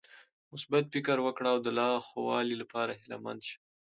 مثبت فکر وکړه او د لا ښوالي لپاره هيله مند شه .